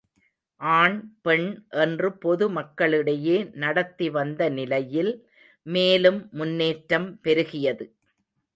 ஆண் பெண் என்று பொது மக்களிடையே நடத்தி வந்த நிலையில், மேலும் முன்றேற்றம் பெருகியது.